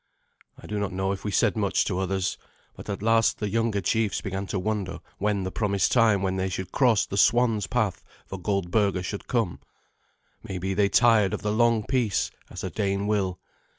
I do not know if we said much to others, but at last the younger chiefs began to wonder when the promised time when they should cross the "swan's path" for Goldberga should come. Maybe they tired of the long peace, as a Dane will.